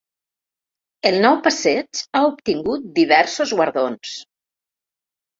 El nou passeig ha obtingut diversos guardons.